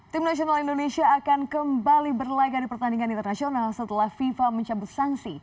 tim nasional indonesia akan kembali berlaga di pertandingan internasional setelah fifa mencabut sanksi